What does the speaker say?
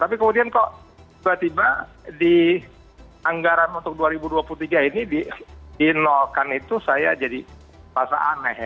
tapi kemudian kok tiba tiba di anggaran untuk dua ribu dua puluh tiga ini di nolkan itu saya jadi rasa aneh ya